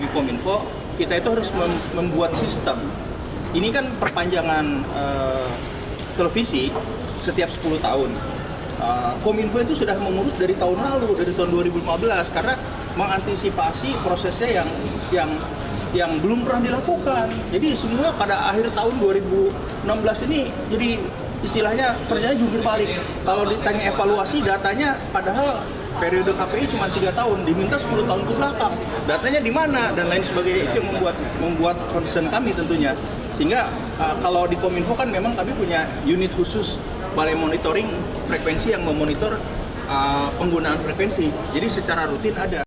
kementerian komunikasi dan informatika rudi antara juga menyampaikan bahwa keputusan perpanjangan ini akan segera diselesaikan